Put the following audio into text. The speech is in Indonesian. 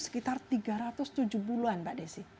sekitar tiga ratus tujuh puluh an mbak desi